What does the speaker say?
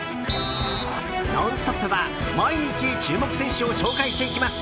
「ノンストップ！」は毎日注目選手を紹介していきます。